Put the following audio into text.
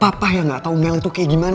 papa yang gak tau mel itu kayak gimana